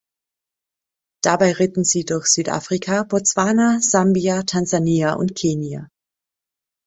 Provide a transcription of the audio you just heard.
Dabei ritten sie durch Südafrika, Botswana, Sambia, Tansania und Kenia.